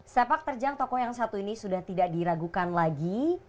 sepak terjang tokoh yang satu ini sudah tidak diragukan lagi